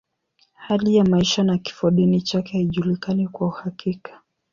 Hali ya maisha na kifodini chake haijulikani kwa uhakika.